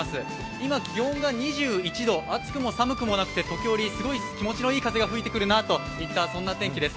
今気温が２１度、暑くも寒くもなくて、時折すごい気持ちのいい風が吹いてくるなといった天気です。